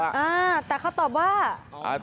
อ่าแต่เขาตอบว่า